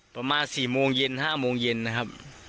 ประมาณ๔โมงเย็น๕โมงเย็นนะครับ